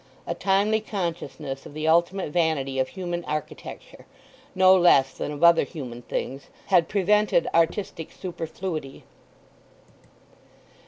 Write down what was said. A timely consciousness of the ultimate vanity of human architecture, no less than of other human things, had prevented artistic superfluity.